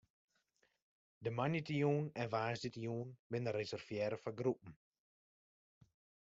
De moandeitejûn en woansdeitejûn binne reservearre foar groepen.